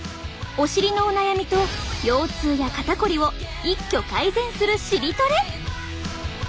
お尻のお悩みと腰痛や肩こりを一挙改善する尻トレ！